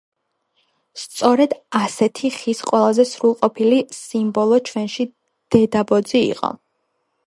სწორედ ასეთი ხის ყველაზე სრულყოფილი სიმბოლო ჩვენში დედაბოძი იყო.